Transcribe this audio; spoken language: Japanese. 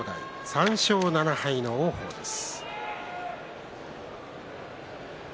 ３勝７敗の王鵬です。